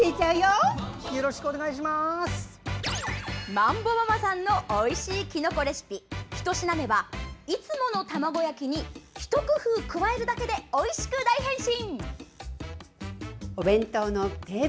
まんぼママさんのおいしいきのこレシピひと品目は、いつもの卵焼きに一工夫加えるだけでおいしく大変身！